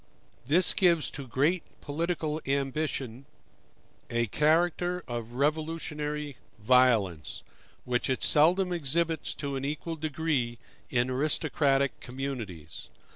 This gives to great political ambition a character of revolutionary violence, which it seldom exhibits to an equal degree in aristocratic communities.